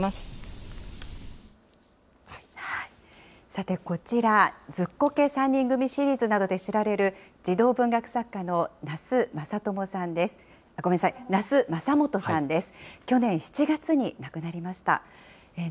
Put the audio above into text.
さてこちら、ズッコケ三人組シリーズなどで知られる児童文学作家の、ごめんなさい、那須正幹さんです。